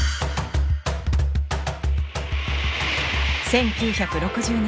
１９６０年